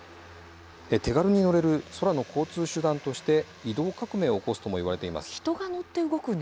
手軽に乗れる空の交通手段として移動革命を起こすともいわれています。